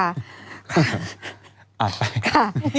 อ่านไป